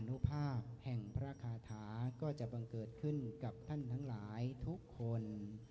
นุภาพแห่งพระคาถาก็จะบังเกิดขึ้นกับท่านทั้งหลายทุกคน